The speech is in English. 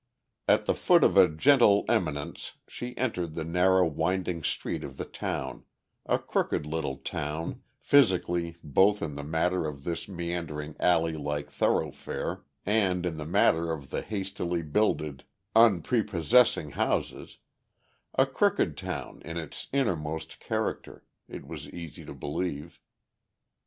At the foot of a gentle eminence she entered the narrow, winding street of the town, a crooked little town physically both in the matter of this meandering alley like thoroughfare and in the matter of the hastily builded, unprepossessing houses; a crooked town in its innermost character, it was easy to believe.